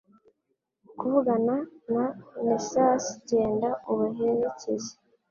kuvugana na Nessus Genda ubaherekeze